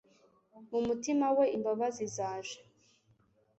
mu mutima we, imbabazi zaje